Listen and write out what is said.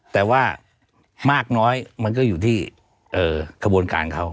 แต่ว่ามากน้อยมันก็อยู่ที่กระบวนการเขา